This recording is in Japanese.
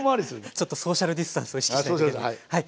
ちょっとソーシャルディスタンスを意識しないといけない。